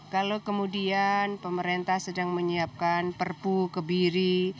kalau kemudian pemerintah sedang menyiapkan perpu kebiri